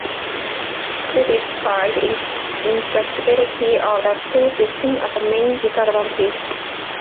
Critics cite inflexibility of the school system as the main disadvantage.